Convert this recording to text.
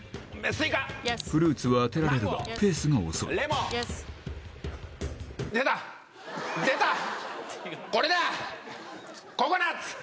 フルーツは当てられるがペースが遅いこれだ！